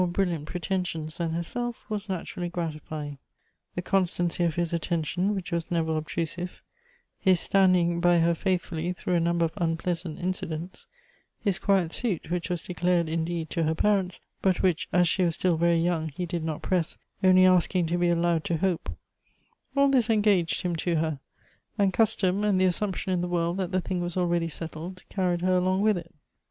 253 brilliant pretensions than herself, was natui ally gratify ing; the constancy of his attention, which was never obtrusive, his standing by her faithfully througli a number of unpleasant incidents, his quiet suit, which was declared indeed to her parents, but Avhich as she was still very young he did not press, only asking to be allowed to hope ; all this engaged him to her, and custom and the assumption in the world that the thing was already set^ tied, carried her along with it.